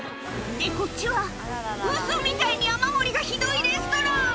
で、こっちは、ウソみたいに雨漏りがひどいレストラン。